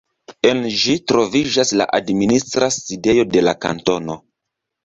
En ĝi troviĝas la administra sidejo de la kantono.